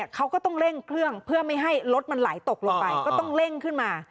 เขาก็ต้องเร่งเครื่องเพื่อไม่ให้รถมันไหลตกลงไปก็ต้องเร่งขึ้นมา